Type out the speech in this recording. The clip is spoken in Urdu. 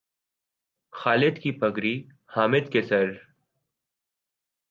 خالد کی پگڑی حامد کے سر